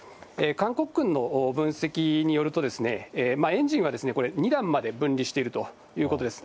韓国軍の分析によると、エンジンは２段まで分離しているということです。